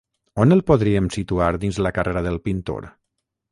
On el podríem situar dins la carrera del pintor?